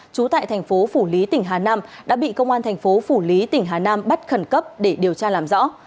trú tại thành phố phủ lý tỉnh hà nam đã bị công an thành phố phủ lý tỉnh hà nam bắt khẩn cấp để điều tra làm rõ